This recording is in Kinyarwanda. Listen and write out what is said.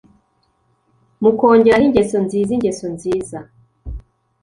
mukongeraho ingeso nziza ingeso nziza